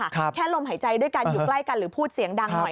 แค่ลมหายใจด้วยกันอยู่ใกล้กันหรือพูดเสียงดังหน่อย